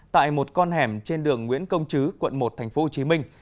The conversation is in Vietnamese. tại một con hẻm trên đường nguyễn công chứ quận một tp hcm